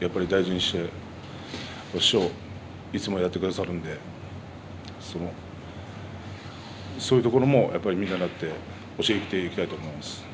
やっぱり大事にして師匠、いつもやってくださるんでそういうところも見習って教えていきたいと思います。